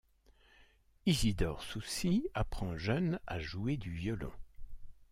Isidore Soucy apprend jeune à jouer du violon.